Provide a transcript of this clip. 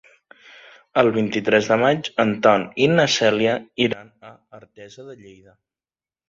El vint-i-tres de maig en Ton i na Cèlia iran a Artesa de Lleida.